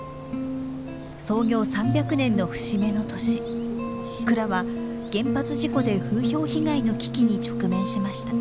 創業３００年の節目の年蔵は原発事故で風評被害の危機に直面しました。